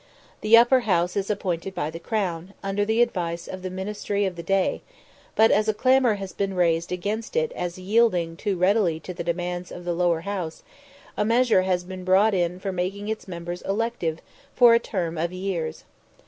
The Upper House is appointed by the Crown, under the advice of the ministry of the day; but as a clamour has been raised against it as yielding too readily to the demands of the Lower House, a measure has been brought in for making its members elective for a term of years.